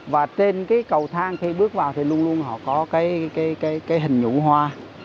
và trên cái cầu thang khi bước vào thì luôn luôn họ có cái hình nhụ hoa